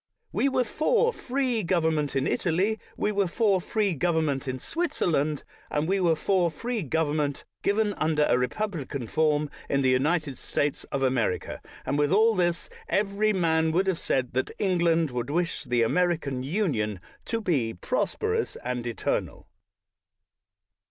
"We were for free govern ment in Italy; we were for free government in Switzerland; and we were for free government, even under a republican form, in the United States of America ; and with all this, every man would have said that England would wish the American Union to be prosperous and eternal.